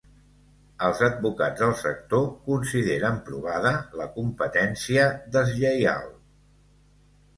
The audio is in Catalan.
Els advocats del sector consideren provada la “competència deslleial”